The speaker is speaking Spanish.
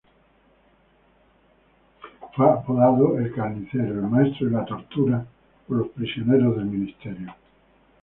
Fue apodado "el Carnicero" –el maestro de la tortura– por los prisioneros del Ministerio.